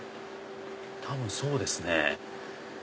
多分そうですね。